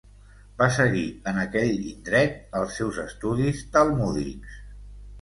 Va seguir en aquell indret els seus estudis talmúdics.